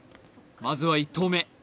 まずは１投目